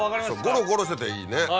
ゴロゴロしてていいね。